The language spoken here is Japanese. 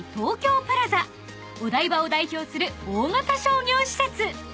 ［お台場を代表する大型商業施設］